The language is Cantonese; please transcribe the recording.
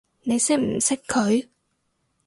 你識唔識佢？